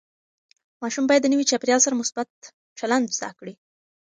ماشوم باید د نوي چاپېریال سره مثبت چلند زده کړي.